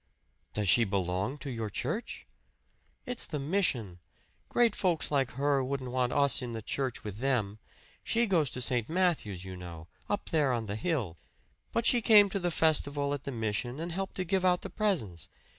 "Does she belong to your church?" "It's the mission. Great folks like her wouldn't want us in the church with them. She goes to St. Matthew's, you know up there on the hill. But she came to the festival at the mission and helped to give out the presents.